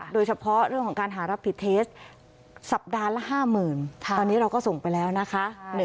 โดยเฉพาะเรื่องของการหารับผิดเทสสัปดาห์ละ๕๐๐๐ตอนนี้เราก็ส่งไปแล้วนะคะ